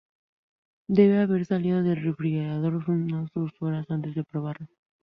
Debe haber salido del refrigerador unas dos horas antes de probarlo.